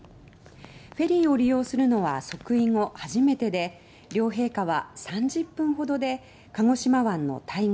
フェリーを利用するのは即位後初めてで両陛下は３０分ほどで鹿児島湾の対岸